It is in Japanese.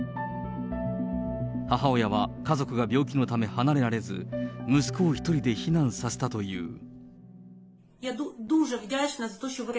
母親は、家族が病気のため離れられず、息子を一人で避難させたという。